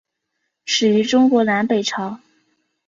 始于中国南北朝。